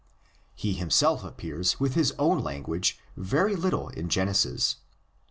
He himself appears with his own lan guage very little in Genesis.